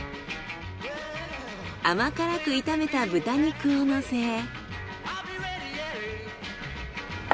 甘辛く炒めた豚肉をのせ。